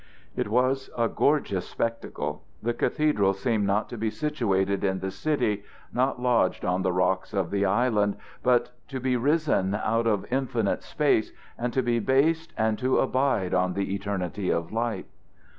It was a gorgeous spectacle. The cathedral seemed not to be situated in the city, not lodged on the rocks of the island, but to be risen out of infinite space and to be based and to abide on the eternity of light.